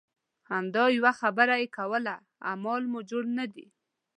همدا یوه خبره یې کوله اعمال مو جوړ نه دي.